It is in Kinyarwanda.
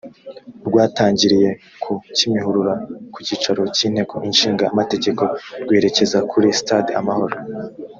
rwatangiriye ku kimihurura ku cyicaro cy inteko ishinga amategeko rwerekeza kuri stade amahoro